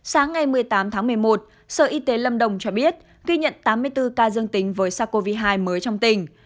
sáng ngày một mươi tám tháng một mươi một sở y tế lâm đồng cho biết ghi nhận tám mươi bốn ca dương tính với sars cov hai mới trong tỉnh